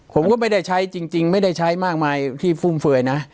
ผมก็ไม่ได้ใช้จริงไม่ได้ใช้มากมายที่ฟุ่มเฟื่อยนะ